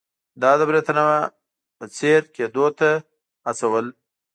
دا د برېټانیا په څېر کېدو ته هڅول.